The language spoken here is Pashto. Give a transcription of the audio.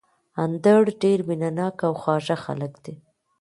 اندړ ډېر مېنه ناک او خواږه خلک دي